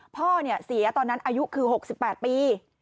พ่อเสียตอนนั้นอายุคือ๖๘ปี